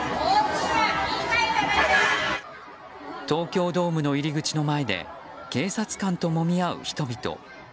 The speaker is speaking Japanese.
東京ドームの入り口の前で警察官ともみ合う人々。